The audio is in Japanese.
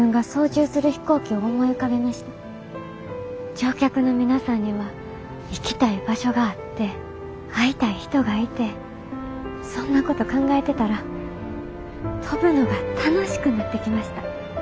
乗客の皆さんには行きたい場所があって会いたい人がいてそんなこと考えてたら飛ぶのが楽しくなってきました。